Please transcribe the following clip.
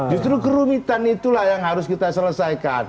justru kerumitan itulah yang harus kita selesaikan